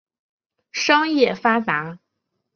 商业发达。